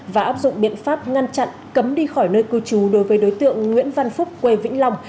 và áp dụng biện pháp ngăn chặn cấm đi khỏi nơi cư trú đối với đối tượng nguyễn văn phúc quê vĩnh long